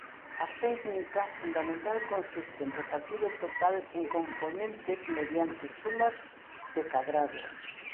A técnica fundamental consiste en repartir o total en compoñentes mediante sumas de cadrados.